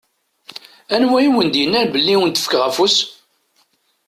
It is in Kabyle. Anwa i wen-d-innan belli ad wen-d-fkeɣ afus?